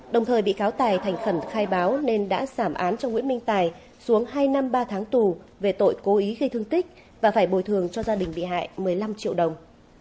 đồng thời bị cáo tài thành khẩn khai báo nên đã giảm án cho nguyễn minh tài xuống hai năm ba tháng tù về tội cố ý gây thương tích và phải bồi thường cho gia đình bị hại một mươi năm triệu đồng